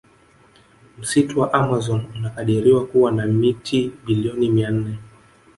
Msitu wa amazon unakadiriwa kuwa na miti billion mia nne